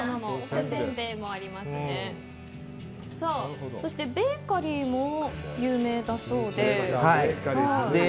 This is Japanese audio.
そしてベーカリーも有名だそうで。